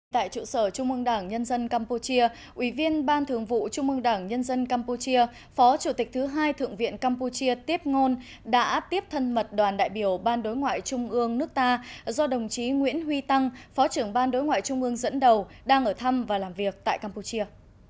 tại trụ sở trung mương đảng nhân dân campuchia ủy viên ban thường vụ trung ương đảng nhân dân campuchia phó chủ tịch thứ hai thượng viện campuchia tiếp ngôn đã tiếp thân mật đoàn đại biểu ban đối ngoại trung ương nước ta do đồng chí nguyễn huy tăng phó trưởng ban đối ngoại trung ương dẫn đầu đang ở thăm và làm việc tại campuchia